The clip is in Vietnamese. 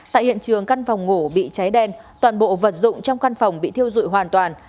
tại hiện trường căn phòng ngủ bị cháy đen toàn bộ vật dụng trong căn phòng bị thiêu dụi hoàn toàn